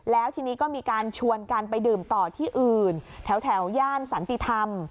แล้วทีนี้ก็มีการชวนกันไปดื่มต่อที่อื่นแถวย่านสันติธรรม